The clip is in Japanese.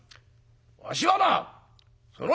「わしはなその」。